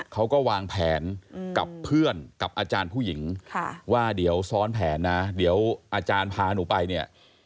เขาก็วางแผนกับเพื่อนกับอาจารย์ผู้หญิงว่าเดี๋ยวซ้อนแผนนะเดี๋ยวอาจารย์พาหนูไปเนี่ย